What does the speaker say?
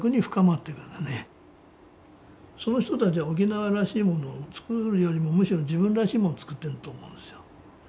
その人たちは沖縄らしいものを作るよりもむしろ自分らしいものを作ってると思うんですよ。